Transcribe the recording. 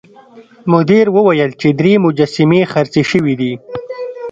مدیر وویل چې درې مجسمې خرڅې شوې دي.